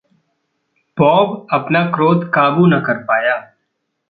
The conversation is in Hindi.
बॉब अपना क्रोध काबू न कर पाया ।